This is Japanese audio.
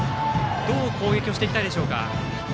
どう攻撃をしていきたいでしょうか。